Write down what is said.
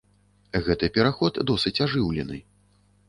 Гэты пераход досыць ажыўлены.